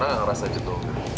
kenapa rasa jenuh